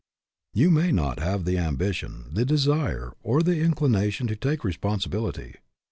You may not have the ambition, the desire, or the inclination to take responsibility.